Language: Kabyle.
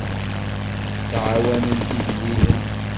Ttɛawanent igellilen.